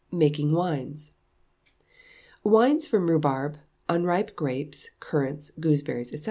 Making Wines. Wines from Rhubarb, Unripe Grapes, Currants, Gooseberries, &c.